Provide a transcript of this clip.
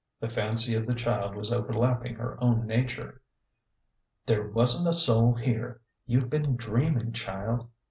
The fancy of the child was overlapping her own nature. " There wasn't a soul here. You've been dreaming, child.